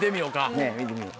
ねぇ見てみよう。